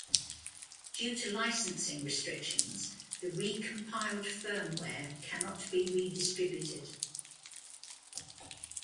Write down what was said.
Due to licensing restrictions, the recompiled firmware cannot be redistributed.